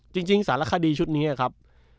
จริงสารคดีชุดนี้ครับ